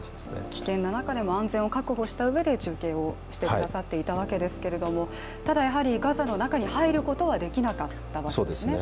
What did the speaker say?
危険な中でも安全を確保したうえで中継をしてくださったわけですけどただ、ガザの中に入ることはできなかったんですよね。